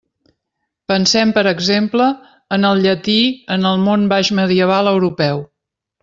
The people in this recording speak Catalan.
Pensem, per exemple, en el llatí en el món baixmedieval europeu.